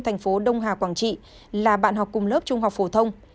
thành phố đông hà quảng trị là bạn học cùng lớp trung học phổ thông